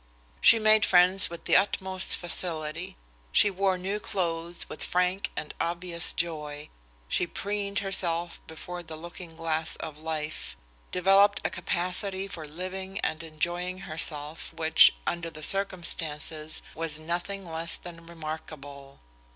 She made friends with the utmost facility. She wore new clothes with frank and obvious joy. She preened herself before the looking glass of life, developed a capacity for living and enjoying herself which, under the circumstances, was nothing less than remarkable.